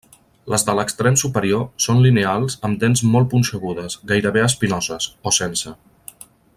Les de l'extrem superior són lineals amb dents molt punxegudes, gairebé espinoses, o sense.